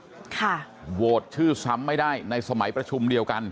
ค่ะโหวตชื่อซ้ำไม่ได้ในสมัยประชุมเดียวกัน